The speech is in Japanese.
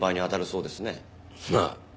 まあ。